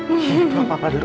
ini papa apa dulu